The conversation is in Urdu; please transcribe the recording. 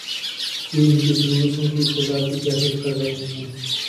یہ ان کی ضرورت ہے جو اقتدار کی سیاست کر رہے ہیں۔